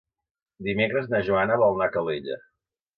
Dimecres na Joana vol anar a Calella.